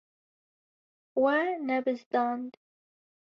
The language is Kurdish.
We nebizdand.